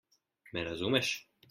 Me razumeš?